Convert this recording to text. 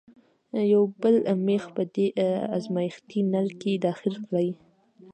یو بل میخ په دې ازمیښتي نل کې داخل کړئ.